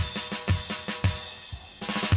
ซักครู่